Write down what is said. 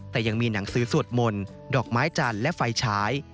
แต่ยังมีหนังสือสวดมนต์ดอกไม้จันทร์และไฟฉาย